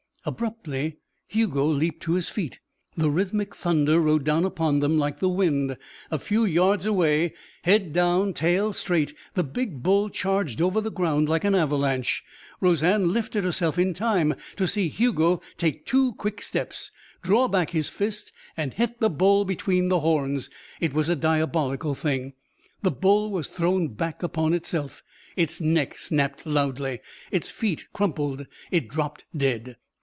Abruptly Hugo leaped to his feet. The rhythmic thunder rode down upon them like the wind. A few yards away, head down, tail straight, the big bull charged over the ground like an avalanche. Roseanne lifted herself in time to see Hugo take two quick steps, draw back his fist, and hit the bull between the horns. It was a diabolical thing. The bull was thrown back upon itself. Its neck snapped loudly. Its feet crumpled; it dropped dead.